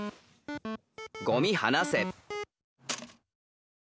「ゴミはなせ」。